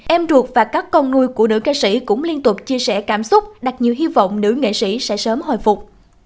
em ruột và các con nuôi của nữ ca sĩ cũng liên tục chia sẻ cảm xúc đặt nhiều hy vọng nữ nghệ sĩ sẽ sớm hồi phục